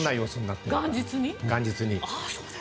元日に。